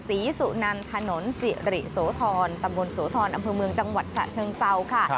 สุนันถนนสิริโสธรตำบลโสธรอำเภอเมืองจังหวัดฉะเชิงเซาค่ะ